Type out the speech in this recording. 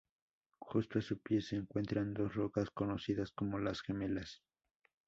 Justo a su pie se encuentran dos rocas conocidas como Las Gemelas.